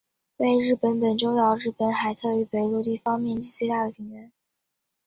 为日本本州岛日本海侧与北陆地方面积最大的平原。